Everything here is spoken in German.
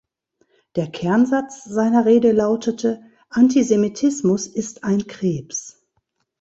Der Kernsatz seiner Rede lautete: „Antisemitismus ist ein Krebs“.